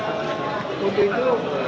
ada praktek praktek kondisi yang terjadi